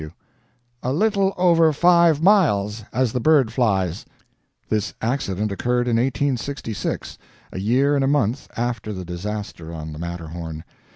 W. A LITTLE OVER FIVE MILES, as the bird flies. This accident occurred in 1866, a year and a month after the disaster on the Matterhorn.